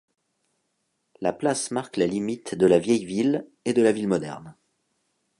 La place marque la limite de la vieille ville et de la ville moderne.